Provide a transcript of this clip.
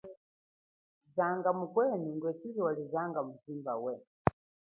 Zanga mukwenu ngwe tshize wa zanga mujimba weye.